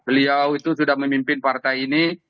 beliau itu sudah memimpin partai ini